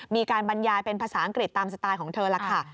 มีการบรรยายเป็นภาษาอังกฤษตามสไตล์ของเธอล่ะค่ะ